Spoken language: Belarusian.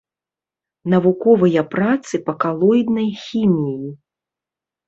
Навуковыя працы па калоіднай хіміі.